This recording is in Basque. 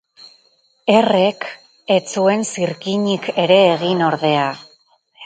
Errek ez zuen zirkinik ere egin ordea.